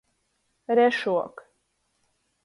Rešuok.